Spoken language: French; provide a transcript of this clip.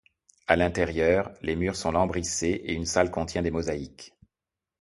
À l'intérieur, les murs sont lambrissés et une salle contient des mosaïques.